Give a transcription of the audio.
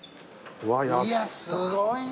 いやすごいね。